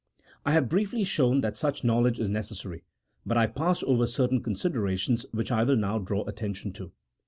I have briefly shown that such knowledge is necessary, but I passed over certain considerations which I will now draw attention to.